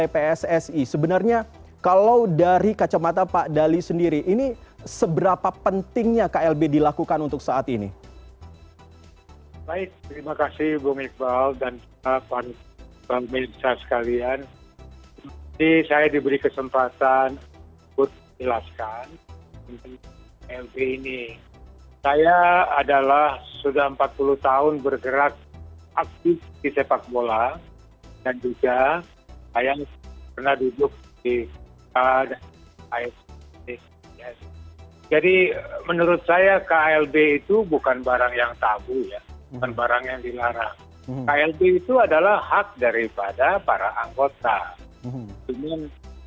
pembangunan pembangunan pembangunan pembangunan